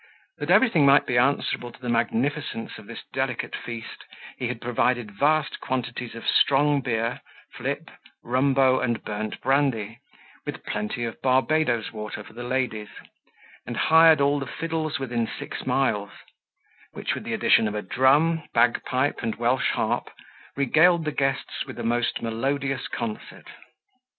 That everything might be answerable to the magnificence of this delicate feast, he had provided vast quantifies of strong beer, flip, rumbo, and burnt brandy, with plenty of Barbadoes water for the ladies; and hired all the fiddles within six miles, which, with the addition of a drum, bagpipe, and Welsh harp, regaled the guests with a most melodious concert.